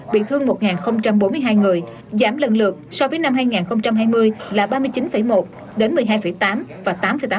bị thương một bốn mươi hai người giảm lần lượt so với năm hai nghìn hai mươi là ba mươi chín một đến một mươi hai tám và tám tám